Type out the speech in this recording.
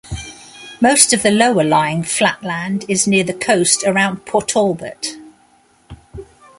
Most of the lower lying flat land is near the coast around Port Talbot.